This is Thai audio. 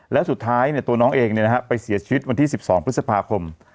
แล้วสุดท้ายเนี่ยตัวน้องเองเนี่ยนะครับไปเสียชีวิตวันที่๑๒พฤษภาคม